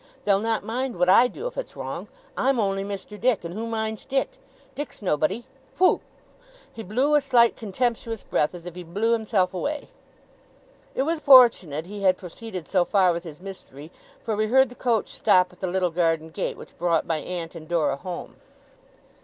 They'll not mind what I do, if it's wrong. I'm only Mr. Dick. And who minds Dick? Dick's nobody! Whoo!' He blew a slight, contemptuous breath, as if he blew himself away. It was fortunate he had proceeded so far with his mystery, for we heard the coach stop at the little garden gate, which brought my aunt and Dora home.